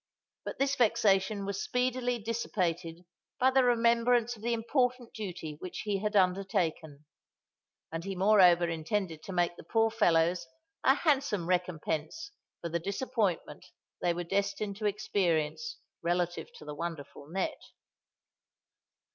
But this vexation was speedily dissipated by the remembrance of the important duty which he had undertaken; and he moreover intended to make the poor fellows a handsome recompense for the disappointment they were destined to experience relative to the wonderful net.